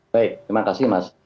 baik terima kasih mas